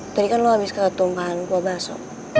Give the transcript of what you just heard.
tadi kan lo abis keketumpahan buah bakso